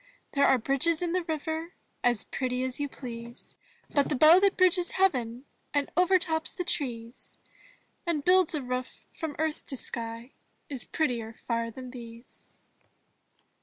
There are bridges in the river As pretty as you please. But the bow that bridges heaven And overtops the trees. And builds a roof from earth to sky Is prettier far than these.